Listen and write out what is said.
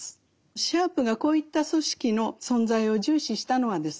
シャープがこういった組織の存在を重視したのはですね